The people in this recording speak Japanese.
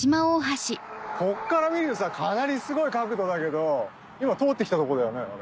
ここから見るとさかなりすごい角度だけど今通って来たとこだよね？